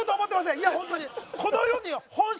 いやホントに。